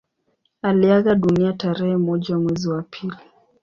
Aliaga dunia tarehe moja mwezi wa pili